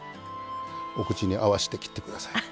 お口に合わせて切って下さい。